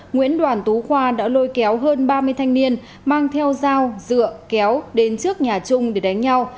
nguyễn đoàn tú khoa đã lôi kéo hơn ba mươi thanh niên mang theo dao dựa kéo đến trước nhà trung để đánh nhau